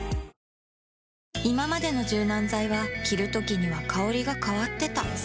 いままでの柔軟剤は着るときには香りが変わってた